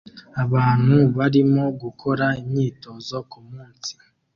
Abantu barimo gukora imyitozo kumunsi